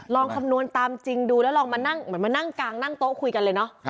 ลองคำนวณตามจริงดูแล้วลองมานั่งกลางนั่งโต๊ะคุยกันเลยเนาะ